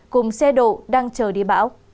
cùng xe độ đang chờ đi bão